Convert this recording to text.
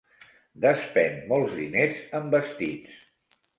Despèn molts diners en vestits.